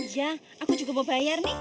ya aku juga mau bayar nih